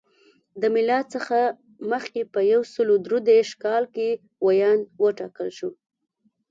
له میلاد څخه مخکې په یو سل درې دېرش کال کې ویاند وټاکل شو.